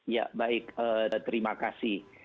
ya baik terima kasih